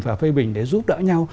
và phê bình để giúp đỡ nhau